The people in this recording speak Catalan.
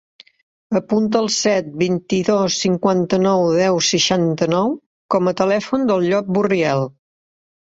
Apunta el set, vint-i-dos, cinquanta-nou, deu, seixanta-nou com a telèfon del Llop Burriel.